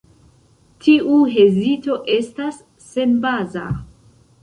Tiu hezito estas senbaza.